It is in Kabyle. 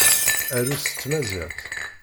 Arut s Tmaziɣt.